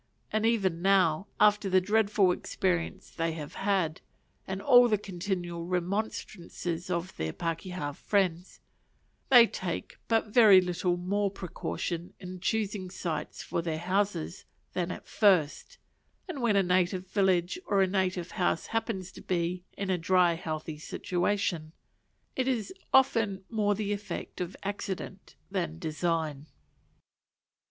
And even now, after the dreadful experience they have had, and all the continual remonstrances of their pakeha friends, they take but very little more precaution in choosing sites for their houses than at first; and when a native village or a native house happens to be in a dry healthy situation, it is often more the effect of accident than design.